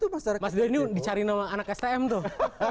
mas denny dicari nama anak stm tuh